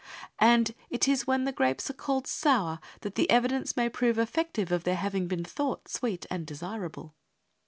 And it is when the grapes are called sour that the evidence may prove effective of their having been thought sweet and desirable.